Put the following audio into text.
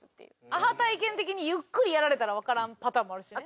アハ体験的にゆっくりやられたらわからんパターンもあるしね。